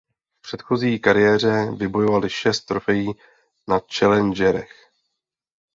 V předchozí kariéře vybojovali šest trofejí na challengerech.